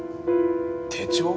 手帳？